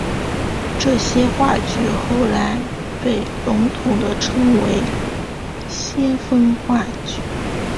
这些话剧后来被笼统地称为先锋话剧。